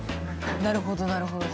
なるほどなるほど。